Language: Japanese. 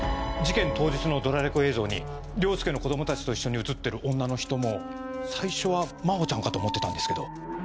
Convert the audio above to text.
事件当日のドラレコ映像に凌介の子供たちと一緒に写ってる女の人も最初は真帆ちゃんかと思ってたんですけど。